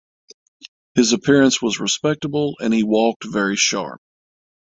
His appearance was respectable and he ""walked very sharp"".